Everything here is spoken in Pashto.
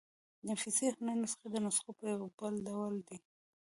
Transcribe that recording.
نفیسي هنري نسخې د نسخو يو بل ډول دﺉ.